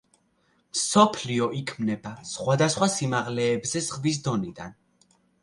მსოფლიო იქმნება სხვადასხვა სიმაღლეებზე ზღვის დონიდან.